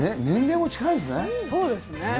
年齢も近いんですね。